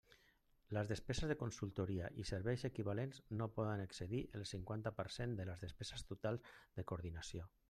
Les despeses de consultoria i serveis equivalents no poden excedir el cinquanta per cent de les despeses totals de coordinació.